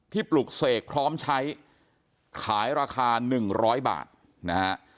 ที่ปลุกเสกพร้อมใช้ขายราคาหนึ่งร้อยบาทนะฮะ